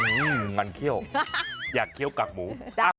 อืมงั้นเคี่ยวอยากเคี้ยวกากหมู